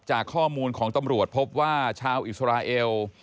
จากข้อมูลของตำรวจพบว่าชาวอิสราเอล